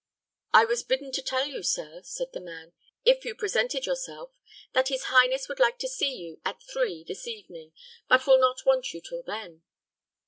"I was bidden to tell you, sir," said the man, "if you presented yourself, that his highness would like to see you at three this evening, but will not want you till then."